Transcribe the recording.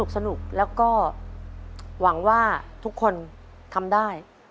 สนุกแล้วก็หวังว่าทุกคนทำได้